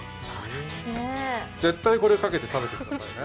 絶対これかけて食べてくださいね。